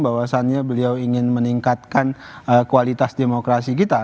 bahwasannya beliau ingin meningkatkan kualitas demokrasi kita